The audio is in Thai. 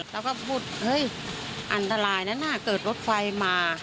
แล้วก็พูดเฮ้ยอันตรายนั้นน่ะเกิดรถไฟมา